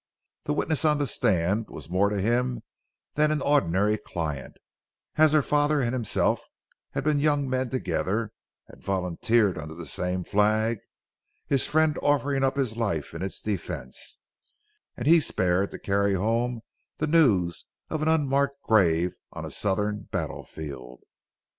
The witness on the stand was more to him than an ordinary client, as her father and himself had been young men together, had volunteered under the same flag, his friend offering up his life in its defense, and he spared to carry home the news of an unmarked grave on a Southern battle field.